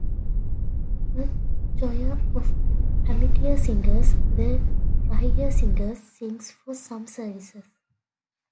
A choir of amateur singers, the Rahere Singers, sings for some services.